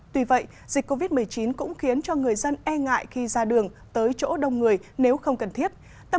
tuy vậy dịch covid một mươi chín cũng khiến cho người dân e ngại khi ra đường tới chỗ đông người nếu không cần thiết